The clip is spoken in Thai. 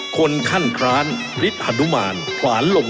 คนขั้นคร้านฤทธิ์ฮดุมารขวานหลัง